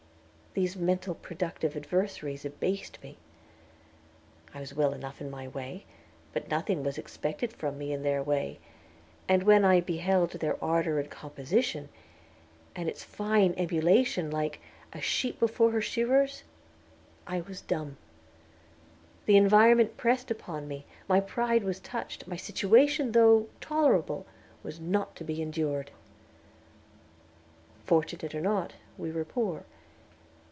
These mental productive adversities abased me. I was well enough in my way, but nothing was expected from me in their way, and when I beheld their ardor in composition, and its fine emulation, like "a sheep before her shearers," I was dumb. The environment pressed upon me, my pride was touched; my situation, though "tolerable, was not to be endured." Fortunate or not, we were poor.